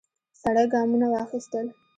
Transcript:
سړی ګامونه واخیستل.